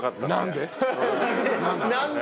何で？